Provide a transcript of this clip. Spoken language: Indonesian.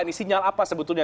ini sinyal apa sebetulnya